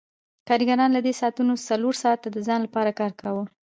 کارګرانو له دې ساعتونو څلور ساعته د ځان لپاره کار کاوه